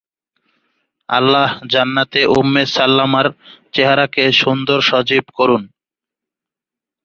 আল্লাহ জান্নাতে উম্মে সাল্লামার চেহারাকে সুন্দর সজীব করুন।